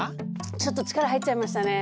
ちょっと力入っちゃいましたね。